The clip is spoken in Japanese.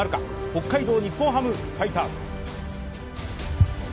北海道日本ハムファイターズ。